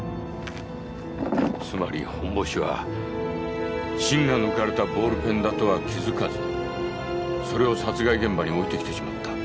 つまりホンボシは芯が抜かれたボールペンだとは気付かずそれを殺害現場に置いてきてしまった。